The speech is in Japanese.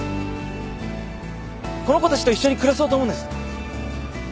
この子たちと一緒に暮らそうと思うんです。